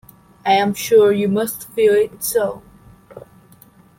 I am sure you must feel it so.